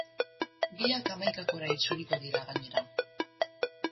Biak hamaikakora itzuliko dira gainera.